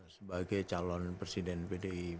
sebagai calon presiden pdi